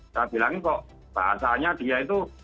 saya bilangin kok bahasanya dia itu